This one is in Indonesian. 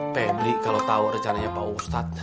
pebri kalau tau rencananya pak ustadz